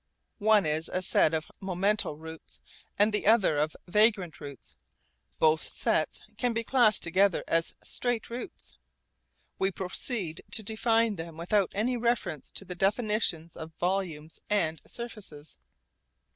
One is a set of momental routes and the other of vagrant routes. Both sets can be classed together as straight routes. We proceed to define them without any reference to the definitions of volumes and surfaces.